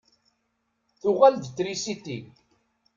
Tuɣal-d trisiti.